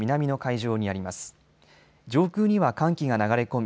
上空には寒気が流れ込み